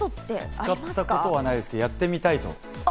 使ったことはないですけど、やってみたいと。